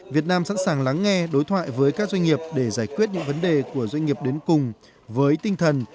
việt nam sẵn sàng lắng nghe đối thoại với các doanh nghiệp để giải quyết những vấn đề của doanh nghiệp đến cùng với tinh thần